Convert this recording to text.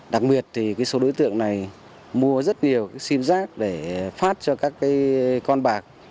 đặc biệt số đối tượng này mua rất nhiều sim rác để phát cho các con bạc